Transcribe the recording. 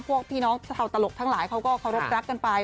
พวกพี่น้องเถ่าตลกทั้งหลายเขาก็รับรักกันไป